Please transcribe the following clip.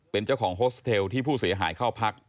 เป็นเจ้าของโฮสเทลที่ผู้เสียหายเข้าพัก